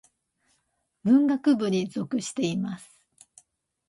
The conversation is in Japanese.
文学部に属しています。